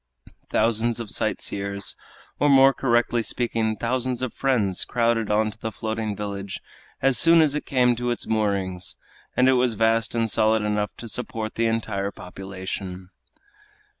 Thousands of sight seers or more correctly speaking, thousands of friends crowded on to the floating village as soon as it came to its moorings, and it was vast and solid enough to support the entire population.